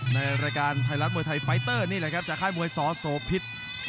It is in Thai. ในรายการไทยรัฐมวยไทยไฟเตอร์นี่แหละครับจากค่ายมวยสโสพิษ